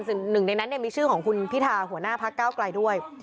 ซึ่ง๑ในนั้นจะมีชื่อของคุณพิทาหัวหน้าภักษณ์ก้าวกลายด้วย